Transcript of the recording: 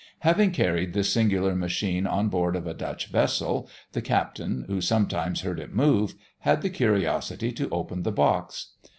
Having carried this singular machine on board of a Dutch vessel, the captain, who sometimes heard it move, had the curiosity to open the box.